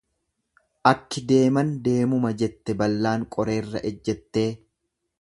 Akki deeman deemuma jette ballaan qoreerra ejjettee.